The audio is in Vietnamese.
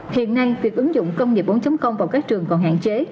hiện nay việc ứng dụng công nghệ bốn vào các trường còn hạn chế